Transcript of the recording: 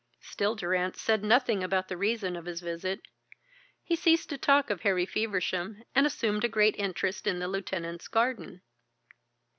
Still Durrance said nothing about the reason of his visit; he ceased to talk of Harry Feversham and assumed a great interest in the lieutenant's garden.